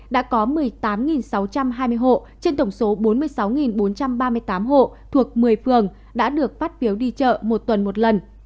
đã có một mươi tám sáu trăm hai mươi hộ trên tổng số bốn mươi sáu bốn trăm ba mươi tám hộ thuộc một mươi phường đã được phát phiếu đi chợ một tuần một lần